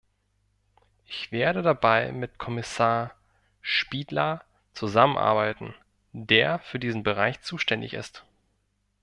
Ich werde dabei mit Kommissar Špidla zusammenarbeiten, der für diesen Bereich zuständig ist.